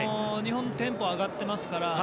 日本のテンポが上がっていますから。